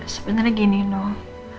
sebenernya gini dong